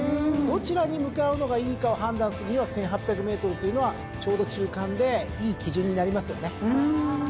どちらに向かうのがいいかを判断するには１，８００ｍというのはちょうど中間でいい基準になりますよね。